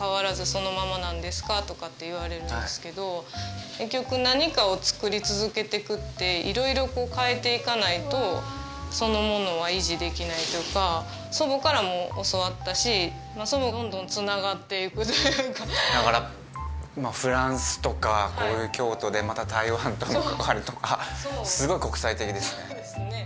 「そのままなんですか？」とかって言われるんですけど結局何かを作り続けていくって色々こう変えていかないとそのものは維持できないとか祖母からも教わったしまあどんどんつながっていくというかだからまあフランスとかこういう京都でまた台湾との関わりとかすごい国際的ですね